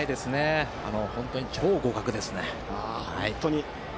本当に超互角ですね。